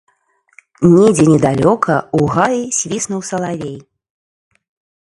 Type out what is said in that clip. Недзе недалёка, у гаі, свіснуў салавей.